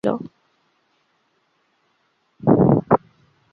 ছেলেরা প্রকাণ্ড একটা অকল্যাণের ছায়া দেখিয়া আস্তে আস্তে উঠিয়া গেল।